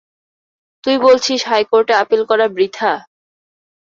তুই বলছিস হাই কোর্টে আপিল করা বৃথা?